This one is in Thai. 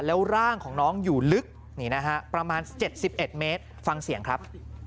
แล้วร่างของน้องอยู่ลึกนี่นะฮะประมาณ๗๑เมตรฟังเสียงครับ